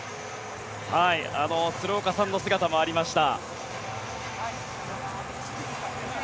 鶴岡さんの姿もありました。